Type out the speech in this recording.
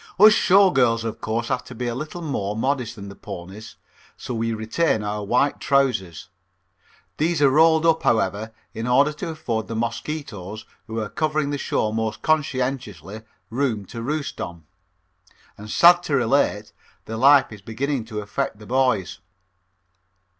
Us Show Girls, of course, have to be a little more modest than the ponies, so we retain our white trousers. These are rolled up, however, in order to afford the mosquitoes, who are covering the show most conscientiously, room to roost on. And sad to relate, the life is beginning to affect the boys.